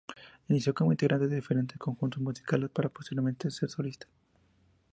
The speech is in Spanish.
Inició como integrante de diferentes conjuntos musicales para posteriormente ser solista.